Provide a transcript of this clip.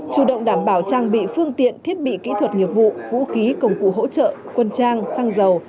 chủ động đảm bảo trang bị phương tiện thiết bị kỹ thuật nghiệp vụ vũ khí công cụ hỗ trợ quân trang xăng dầu